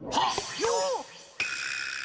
よっ！